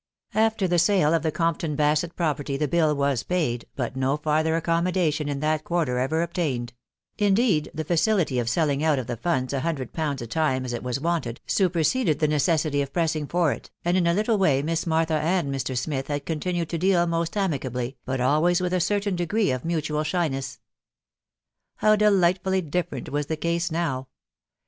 After the sale of the Compton Basett property the bill was paid, but no farther accommodation in that quarter ever obtained ; indeed the facility of selling out of the funds a hundred pounds a time as it was wanted, su perseded the necessity of pressing for it, and in a little way Miss Martha and Mr. Smith had continued to deal most ami cably, but always with a certain degree of mutual shyness. How delightfully different was the case now